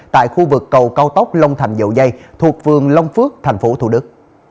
tại khu vực cầu cao tốc long thành dậu dây thuộc phường long phước tp thủ đức